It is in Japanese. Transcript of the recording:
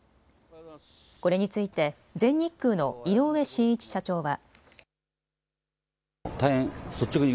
これについて全日空の井上慎一社長は。